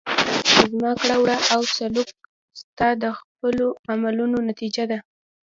زما کړه وړه او سلوک ستا د خپلو عملونو نتیجه ده.